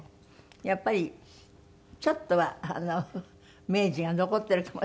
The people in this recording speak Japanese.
やっぱりちょっとは明治が残ってるかもしれない。